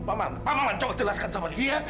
pak man pak man coba jelaskan sama dia